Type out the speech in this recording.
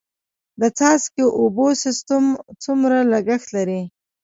د څاڅکي اوبو سیستم څومره لګښت لري؟